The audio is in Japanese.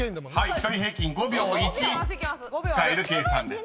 １人平均５秒１使える計算です］